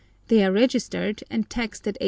They are registered and taxed at 8s.